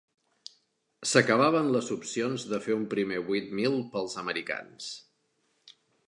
S'acabaven les opcions de fer un primer vuit mil pels americans.